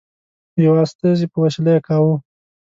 یوه استازي په وسیله یې کاوه.